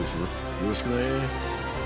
よろしくね。